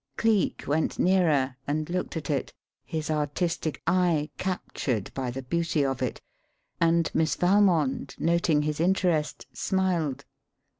Cleek went nearer and looked at it, his artistic eye captured by the beauty of it; and Miss Valmond, noting his interest, smiled.